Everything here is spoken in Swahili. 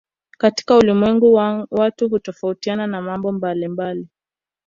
Katika ulimwengu watu hutofautiana kwa mambo mbalimbali